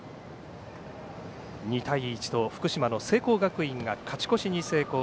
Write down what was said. ２対１と福島の聖光学院が勝ち越しに成功。